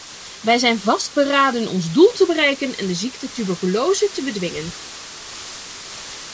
Wij zijn vastberaden ons doel te bereiken en de ziekte tuberculose te bedwingen.